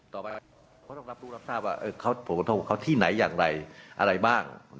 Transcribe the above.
ต่อไปเขาต้องรับรู้รับทราบว่าเขาผลกระทบกับเขาที่ไหนอย่างไรอะไรบ้าง